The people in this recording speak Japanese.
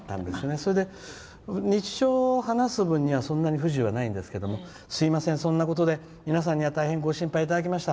それで、日常話す分にはそんなに不自由はないんですけどすみません、そんなことで皆さんには大変ご心配いただきました。